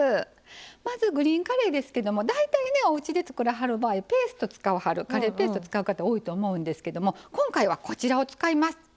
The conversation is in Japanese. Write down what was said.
まずグリーンカレーですけども大体おうちで作らはる場合カレーペーストを使う方多いと思うんですけども今回はこちらを使います。